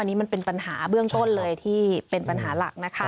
อันนี้มันเป็นปัญหาเบื้องต้นเลยที่เป็นปัญหาหลักนะคะ